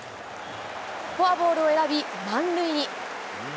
フォアボールを選び、満塁に。